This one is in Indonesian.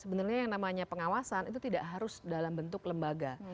sebenarnya yang namanya pengawasan itu tidak harus dalam bentuk lembaga